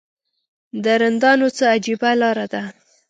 د رندانو څه عجیبه لاره ده.